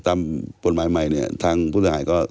ตามบทหมายใหม่เนี่ยทางพุทธหายก็